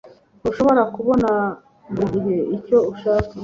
Ntushobora kubona buri gihe icyo ushaka